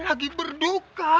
ini lagi berduka